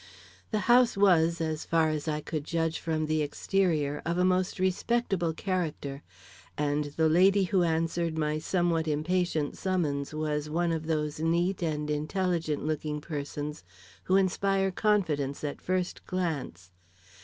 The house was, as far as I could judge from the exterior, of a most respectable character, and the lady who answered my somewhat impatient summons was one of those neat and intelligent looking persons who inspire confidence at first glance.